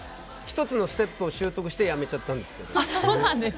１つのステップを習得してやめちゃったんですけど。